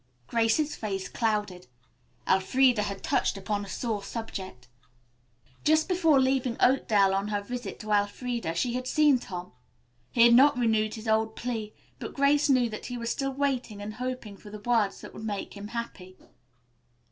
Grace's face clouded. Elfreda had touched upon a sore subject. Just before leaving Oakdale on her visit to Elfreda she had seen Tom. He had not renewed his old plea, but Grace knew that he was still waiting and hoping for the words that would make him happy.